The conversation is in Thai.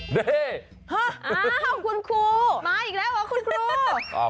นี่อ้าวคุณครูมาอีกแล้วเหรอคุณครู